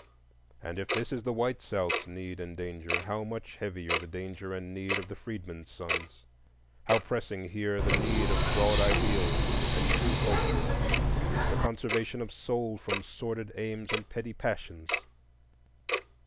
And if this is the white South's need and danger, how much heavier the danger and need of the freedmen's sons! how pressing here the need of broad ideals and true culture, the conservation of soul from sordid aims and petty passions!